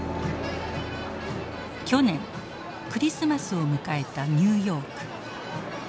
去年クリスマスを迎えたニューヨーク。